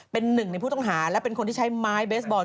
เป็นหนึ่งในผู้ต้องหาและเป็นคนที่ใช้ไม้เบสบอล